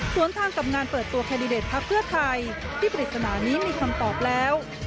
ส่วนทางกับงานเปิดตัวแคนดิเดตพักเพื่อไทยที่ปริศนานี้มีคำตอบแล้ว